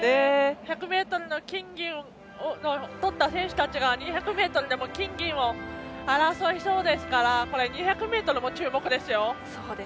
１００ｍの金、銀をとった選手たちが２００ｍでも金、銀を争いそうですから２００ｍも注目ですよ。